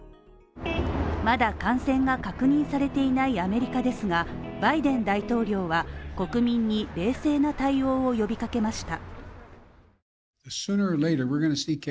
まだ感染が確認されていないアメリカですが、バイデン大統領は国民に冷静な対応を呼びかけました。